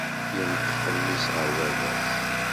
Yenṭeq mmi-s ɣer baba-s.